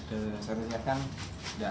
punyanya ini tanpa tanuk